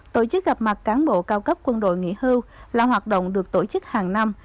tổ chức gặp mặt cán bộ cao cấp quân đội nghỉ hưu là hoạt động được tổ chức hàng năm